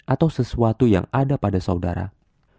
atau sesuatu yang ada pada sebuah rumahmu